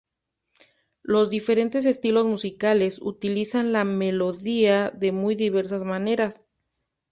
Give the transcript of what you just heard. Los diferentes estilos musicales utilizan la melodía de muy diversas maneras.